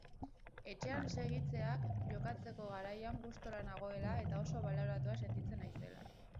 Etxean segitzeak, jokatzeko garaian gustora nagoela eta oso baloratua sentitzen naizela.